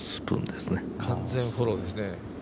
完全フォローですね。